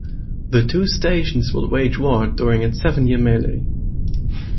The two stations would wage war during its seven-year melee.